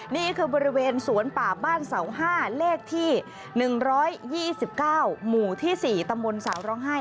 นี่คือบริเวณสวนป่าบ้านเสา๕เลขที่๑๒๙หมู่ที่๔ตำบลเสาร้องไห้